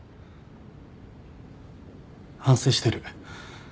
反省してる。